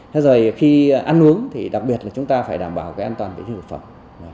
thế rồi khi ăn uống thì đặc biệt là chúng ta phải đảm bảo cái an toàn vệ sinh thực phẩm